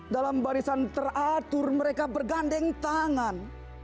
dalam barisan teratur mereka bergandeng tangan